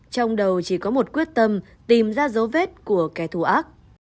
trong đầu chỉ có một quyết tâm tìm ra dấu vết của kẻ thù ác